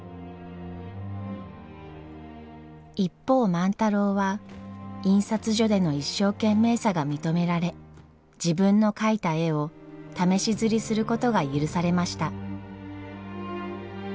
一方万太郎は印刷所での一生懸命さが認められ自分の描いた絵を試し刷りすることが許されました。